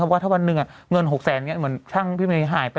เพราะเป็นว่าถ้าวันหนึ่งเงิน๖๐๐๐๐๐เหมือนช่างพี่มีนไปหายไป